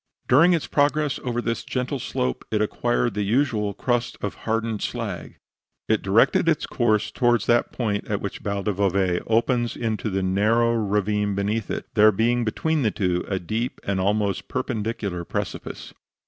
During its progress over this gentle slope, it acquired the usual crust of hardened slag. It directed its course towards that point at which Val del Bove opens into the narrow ravine beneath it there being between the two a deep and almost perpendicular precipice.